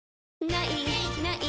「ない！ない！